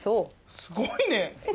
すごいね。